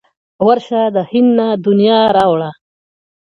ورشه له هنده د نیا را وړه.